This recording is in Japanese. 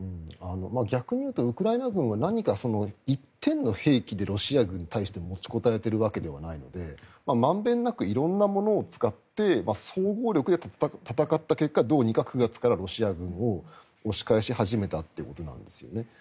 逆に言うとウクライナ軍は何か１点の兵器でロシア軍に対して持ちこたえているわけではないのでまんべんなく色んなものを使って総合力で戦った結果どうにか９月からロシア軍を押し返し始めたということなんですね。